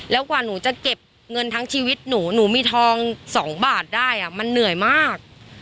แล้วกว่าหนูจะเก็บเงินทั้งชีวิตหนูหนูมีทอง๒บาทได้มันเหนื่อยมาก